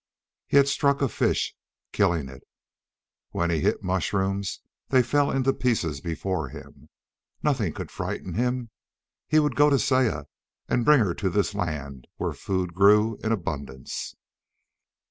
He had struck a fish, killing it. When he hit mushrooms they fell into pieces before him. Nothing could frighten him! He would go to Saya and bring her to this land where food grew in abundance.